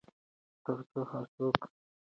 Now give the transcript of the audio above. ترڅو هر څوک پر حقایقو خبر شي.